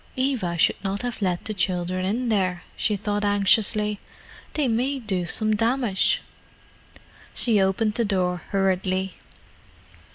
"Eva should not have let the children in there," she thought anxiously. "They may do some damage." She opened the door hurriedly.